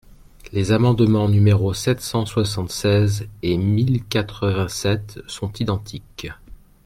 Les amendements numéros sept cent soixante-seize et mille quatre-vingt-sept sont identiques.